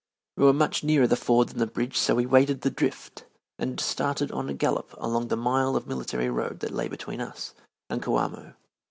We were much nearer the ford than the bridge, so we waded the "drift" and started on a gallop along the mile of military road that lay between us and Coamo.